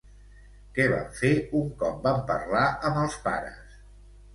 Què van fer un cop van parlar amb els pares?